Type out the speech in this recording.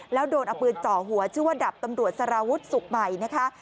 แล้วโดนเอาปืนจ่อหัวชื่อว่าดับตำรวจสารวุฒิสุขใหม่นะคะ